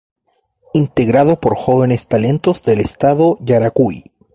Integrado por jóvenes talentos del estado Yaracuy.